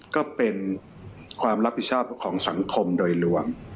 ก็เป็นความรับผิดชอบของสังคมโดยรวม